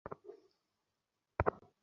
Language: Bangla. সেকি কথা, স্বরূপ তো বাড়ির ভিতরে যায় নাই।